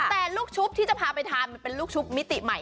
แต่ลูกชุบที่จะพาไปทานมันเป็นลูกชุบมิติใหม่